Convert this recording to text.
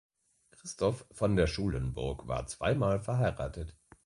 Christoph von der Schulenburg war zweimal verheiratet.